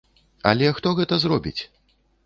Але хто гэта зробіць?